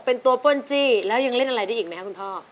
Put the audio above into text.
เป็นตัวป้นจี้แล้วยังเล่นอะไรได้อีกไหมครับคุณพ่อ